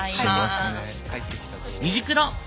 「虹クロ」！